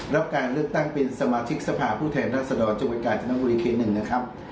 รับการเลือกตั้งเป็นสมาธิกสภาพผู้แทนรัศดรจนบุรีการจนบุรีเคส๑นะครับ